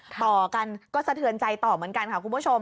ต่อกันก็สะเทือนใจต่อเหมือนกันค่ะคุณผู้ชม